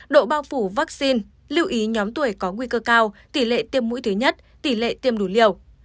độ bao phủ vaccine lưu ý nhóm tuổi có nguy cơ cao tỷ lệ tiêm mũi thứ nhất tỷ lệ tiêm đủ liều